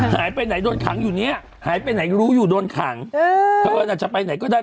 หายไปไหนโดนขังอยู่เนี่ยหายไปไหนรู้อยู่โดนขังเธอน่ะจะไปไหนก็ได้